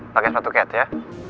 pake sepatu cat ya